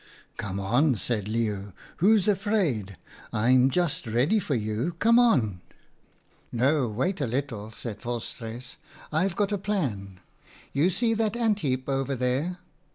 "' Come on,' said Leeuw. * Who's afraid ? I'm just ready for you. Come on !'" l No, wait a little,' said Volstruis. ' I've got a plan. You see that ant heap over there